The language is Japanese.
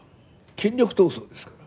権力闘争ですから。